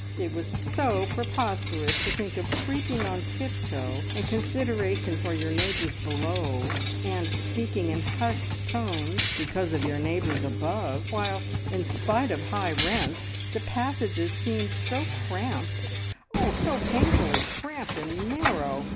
It was so preposterous to think of creeping on tiptoe in consideration for your neighbours below, and speaking in hushed tones because of your neighbours above, while, in spite of high rents, the passages seemed so cramped, oh, so painfully cramped and narrow!